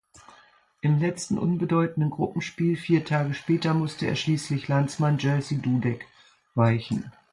Im letzten unbedeutenden Gruppenspiel vier Tage später musste er schließlich Landsmann Jerzy Dudek weichen.